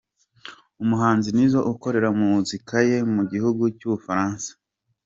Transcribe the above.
Umuhanzi Izzo ukorera muzika ye mu gihugu cy'Ubufaransa.